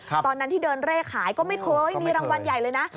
ตอนนั้นที่เดินเร่ขายก็ไม่เคยมีรางวัลใหญ่เลยนะ